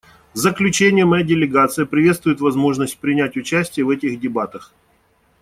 В заключение моя делегация приветствует возможность принять участие в этих дебатах.